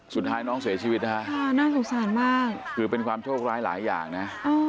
สุดท้ายน้องเสียชีวิตนะคะคือเป็นความโชคร้ายหลายอย่างนะ